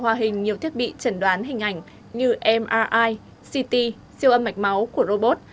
hòa hình nhiều thiết bị chẩn đoán hình ảnh như mri ct siêu âm mạch máu của robot